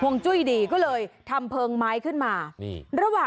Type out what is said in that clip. ห่วงจุ้ยดีก็เลยทำเพิงไม้ขึ้นมา